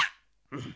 うん。